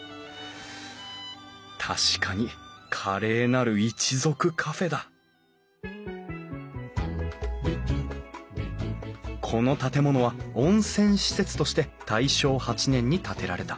確かに「華麗なる一族カフェ」だこの建物は温泉施設として大正８年に建てられた。